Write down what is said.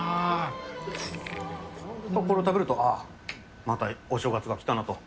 これを食べると、あっ、またお正月が来たなと。